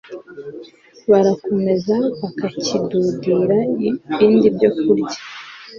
Barakomeza bakakidudira ibindi byokurya